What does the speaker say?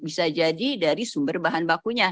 bisa jadi dari sumber bahan bakunya